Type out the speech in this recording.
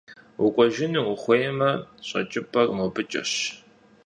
Укӏуэжыну ухуеймэ, щӏэкӏыпӏэр мобыкӏэщ.